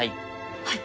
はい。